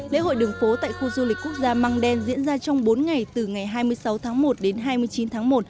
lễ hội đường phố tại khu du lịch quốc gia măng đen diễn ra trong bốn ngày từ ngày hai mươi sáu tháng một đến hai mươi chín tháng một